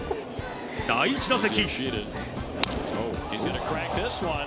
第１打席。